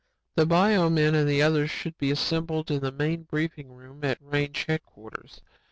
"The bio men and the others should be assembled in the main briefing room at range headquarters.